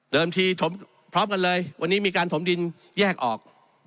ทีถมพร้อมกันเลยวันนี้มีการถมดินแยกออก